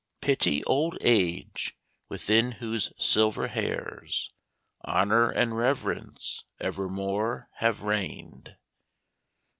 Pittie olde age, within whose silver haires Honour and reverence evermore have rain'd.